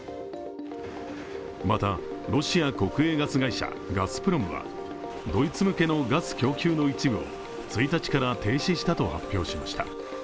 また、ロシア国営ガス会社ガスプロムはドイツ向けのガス供給の一部を１日から停止したと発表しました。